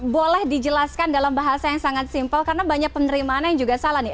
boleh dijelaskan dalam bahasa yang sangat simpel karena banyak penerimaannya yang juga salah nih